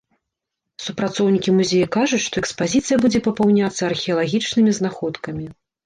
Супрацоўнікі музея кажуць, што экспазіцыя будзе папаўняцца археалагічнымі знаходкамі.